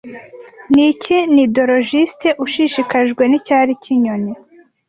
Niki nidologiste ushishikajwe nicyari cyinyoni